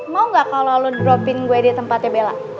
mau gak kalo lu dropin gua di tempatnya bella